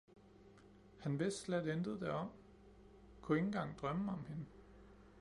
han vidste slet intet derom, kunne ikke engang drømme om hende.